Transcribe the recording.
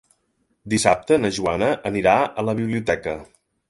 Dissabte na Joana anirà a la biblioteca.